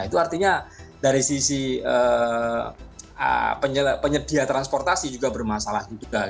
itu artinya dari sisi penyedia transportasi juga bermasalah juga